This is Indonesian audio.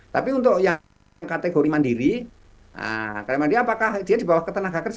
tapi untuk yang kategori mandiri karena mandi apakah dia dibawa ke tenaga kerja